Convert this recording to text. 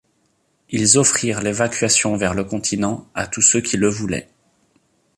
Ils offrirent l'évacuation vers le continent à tous ceux qui le voulaient.